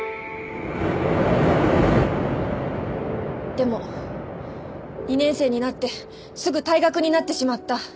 でも２年生になってすぐ退学になってしまった。